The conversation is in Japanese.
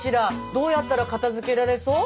どうやったら片づけられそう？